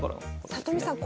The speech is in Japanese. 里見さん